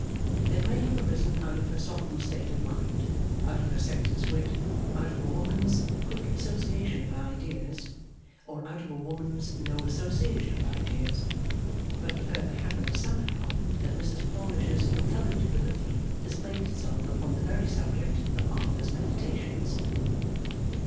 It may have arisen out of her softened state of mind, out of her sex's wit, out of a woman's quick association of ideas, or out of a woman's no association of ideas, but it further happened somehow that Mrs Plornish's intelligibility displayed itself upon the very subject of Arthur's meditations.